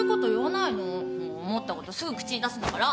もう思ったことすぐ口に出すんだから。